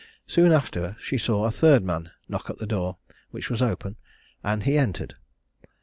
Soon after she saw a third man knock at the door, which was open, and he entered.